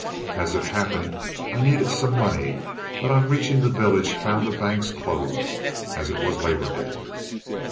As it happened, I needed some money, but on reaching the village found the banks closed, as it was Labor Day.